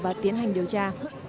và tiến hành điều tra